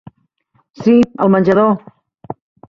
Sí, al menjador.